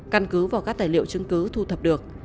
căn cứ vào các tài liệu chứng cứ thu thập được